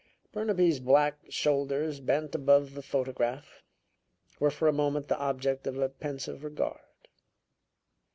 Burnaby's black shoulders, bent above the photograph, were for a moment the object of a pensive regard.